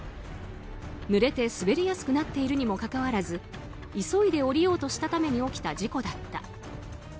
ぬれて滑りやすくなっているにもかかわらず急いで下りようとしたために起きた事故だった。